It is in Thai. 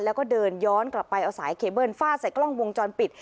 แล้วก็เดินย้อนกลับไปเอาสายเคเบิ้ลฟาดใส่กล้องวงจรปิด